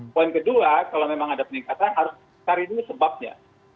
poin kedua kalau memang ada peningkatan harus cari dulu sebabnya